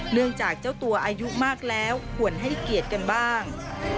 เนื่องจากเจ้าตัวอายุมากแล้วควรให้เกียรติกันบ้าง